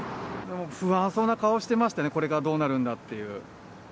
不安そうな顔してましたね、これからどうなるんだっていう。